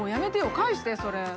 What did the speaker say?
返してそれ。